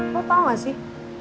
lo tau gak sih